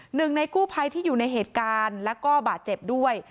หนึ่งในกู้ภัยที่อยู่ในเหตุการณ์แล้วก็บาดเจ็บด้วย